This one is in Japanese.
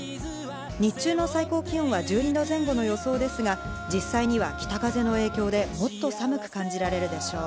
日中の最高気温は１２度前後の予想ですが、実際には北風の影響で、もっと寒く感じられるでしょう。